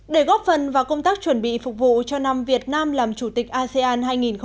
để góp phần vào công tác chuẩn bị phục vụ cho năm việt nam làm chủ tịch asean hai nghìn hai mươi